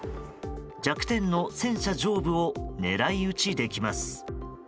弱点の戦車上部を狙い撃ちできます。